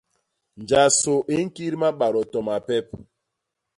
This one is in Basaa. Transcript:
Njasô i ñkit mabadô to mapep.